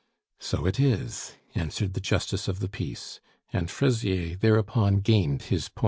"So it is," answered the justice of the peace, and Fraisier thereupon gained his point.